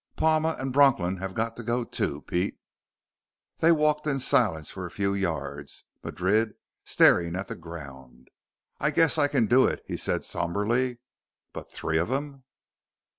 "Palma and Bronklin have to go, too, Pete." They walked in silence for a few yards, Madrid staring at the ground. "I guess I can do it," he said somberly. "But three of 'em!"